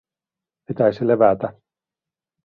Pitäisi levätä.